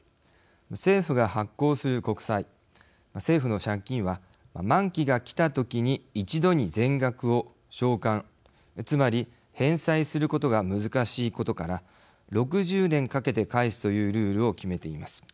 政府が発行する国債政府の借金は、満期が来た時に一度に全額を償還、つまり返済することが難しいことから６０年かけて返すというルールを決めています。